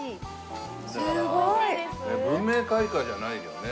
文明開化じゃないよね。